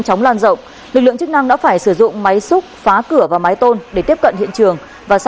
trong lúc đó lực lượng chức năng đã sử dụng máy tôn để tiếp cận hiện trường